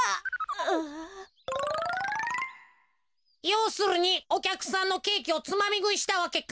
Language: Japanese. ようするにおきゃくさんのケーキをつまみぐいしたわけか。